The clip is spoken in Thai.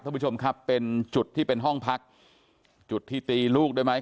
ท่านผู้ชมครับเป็นจุดที่เป็นห้องพักจุดที่ตีลูกได้ไหม